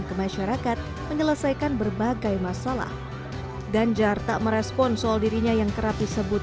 ke masyarakat menyelesaikan berbagai masalah ganjar tak merespon soal dirinya yang kerap disebut